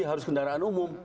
harus kendaraan umum